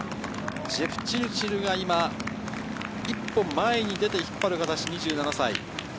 ジェプチルチルが今、一歩前に出て、引っ張る形、２７歳。